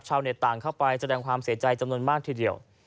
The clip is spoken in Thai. ต่างเข้าไปแสดงความเสียใจจำนวนมากทีเดียว